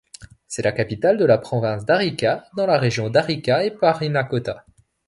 C'est la capitale de la province d'Arica, dans la région d'Arica et Parinacota.